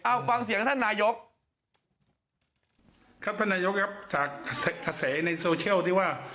อ้าวฟังเสียงท่านนายกครับท่านนายกครับจากในที่ว่า